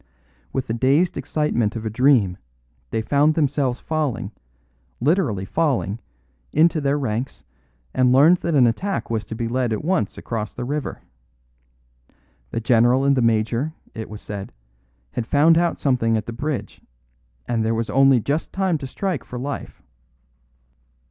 With the dazed excitement of a dream, they found themselves falling literally falling into their ranks, and learned that an attack was to be led at once across the river. The general and the major, it was said, had found out something at the bridge, and there was only just time to strike for life.